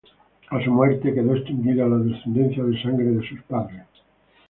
A su muerte quedó extinguida la descendencia de sangre de sus padres.